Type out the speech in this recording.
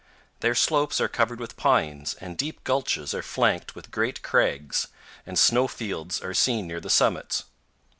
Their slopes are covered with pines, and deep gulches are flanked with great crags, and snow fields are seen near the summits.